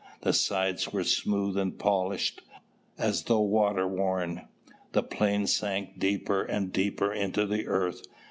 The sides were smooth and polished, as though water worn. The plane sank deeper and deeper into the earth.